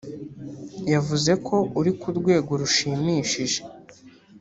yavuze ko uri ku rwego rushimishije